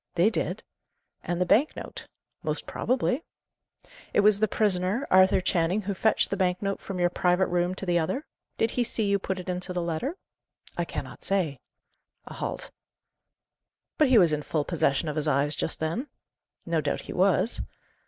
"They did." "And the bank note?" "Most probably." "It was the prisoner, Arthur Channing, who fetched the bank note from your private room to the other? Did he see you put it into the letter?" "I cannot say." A halt. "But he was in full possession of his eyes just then?" "No doubt he was."